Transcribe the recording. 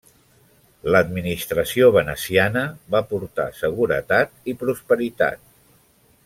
L'administració veneciana va portar seguretat i prosperitat.